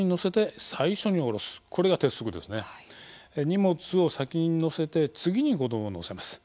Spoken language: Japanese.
荷物を先に載せて次に子供を乗せます。